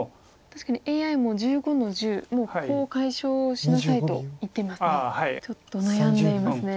確かにＡＩも１５の十「もうコウを解消しなさい」と言っていますね。